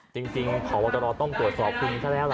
จริงพบตรต้องตรวจสอบคุณซะแล้วล่ะ